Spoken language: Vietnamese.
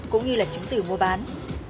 cũng như là chứng tử mua bán